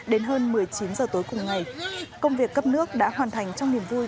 đến hơn một mươi chín h tối cùng ngày công việc cấp nước đã hoàn thành trong niềm vui